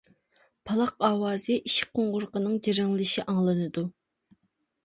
پالاق ئاۋازى، ئىشىك قوڭغۇرىقىنىڭ جىرىڭلىشى ئاڭلىنىدۇ.